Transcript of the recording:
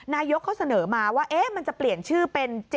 นายกเขาเสนอมาว่ามันจะเปลี่ยนชื่อเป็น๗๗